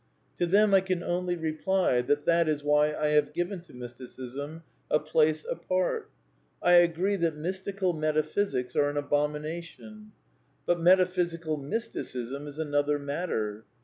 To them I can only reply that that is why I have given to Mysticism a place apart. I agree that mystical meta l physics are an abomination. Eut metaphysical mysticism 1 is another matter.